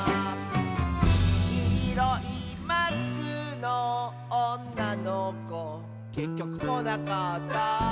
「きいろいマスクのおんなのこ」「けっきょくこなかった」